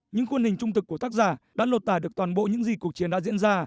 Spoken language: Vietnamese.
những khuôn hình trung thực của tác giả đã lột tải được toàn bộ những gì cuộc chiến đã diễn ra